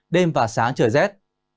đêm và sáng trời rét